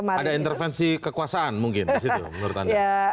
ada intervensi kekuasaan mungkin disitu menurut anda